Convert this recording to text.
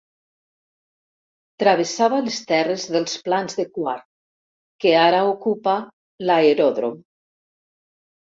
Travessava les terres dels Plans de Quart, que ara ocupa l'aeròdrom.